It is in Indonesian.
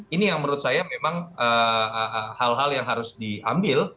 ini yang menurut saya memang hal hal yang harus diambil